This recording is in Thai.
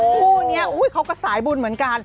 คู่นี้เขาก็สายบุญเหมือนกัน